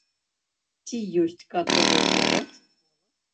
Ці ёсць кадравы голад?